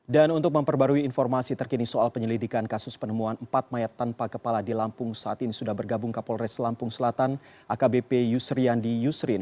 dan untuk memperbarui informasi terkini soal penyelidikan kasus penemuan empat mayat tanpa kepala di lampung saat ini sudah bergabung kapolres lampung selatan akbp yusriandi yusrin